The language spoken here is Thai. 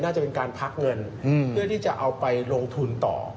น่าจะเป็นการพักเงินเพื่อที่จะเอาไปลงทุนต่อ